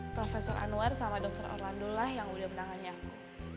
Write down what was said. prof anwar sama dr orlando lah yang udah menangani aku